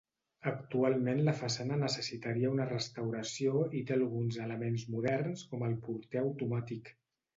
Actualment la façana necessitaria una restauració i té alguns elements moderns com el porter automàtic.